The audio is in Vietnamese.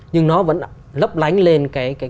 nhưng nó vẫn lấp lánh lên cái